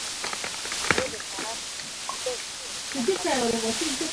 سرې شګې بادېدلې.